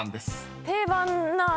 定番な。